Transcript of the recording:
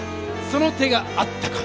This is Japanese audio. その手があったか！